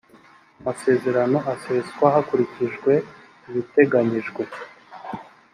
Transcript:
amasezerano aseswa hakurikijwe ibiteganyijwe .